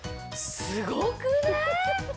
すごくない！？